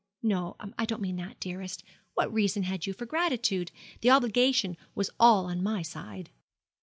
No, I don't mean that, dearest. What reason had you for gratitude? The obligation was all on my side.